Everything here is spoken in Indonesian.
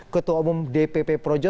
ketua umum dpp projo